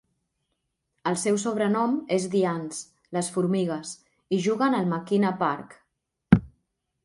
El seu sobrenom és "the Ants" (les formigues) i juguen al McKenna Park.